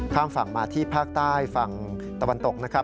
ข้ามฝั่งมาที่ภาคใต้ฝั่งตะวันตกนะครับ